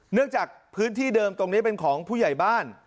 เนื่องจากพื้นที่เดิมตรงนี้เป็นของผู้ใหญ่บ้าน